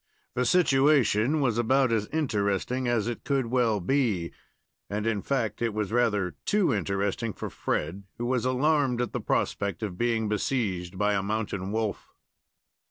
The situation was about as interesting as it could well be, and, in fact, it was rather too interesting for Fred, who was alarmed at the prospect of being besieged by a mountain wolf.